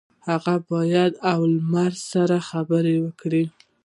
هغه له باد او لمر سره خبرې کوي.